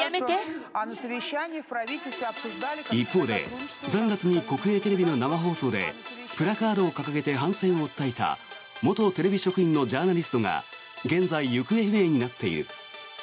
一方で３月に国営テレビの生放送でプラカードを掲げて反戦を訴えた元テレビ職員のジャーナリストが現在、行方不明になっている。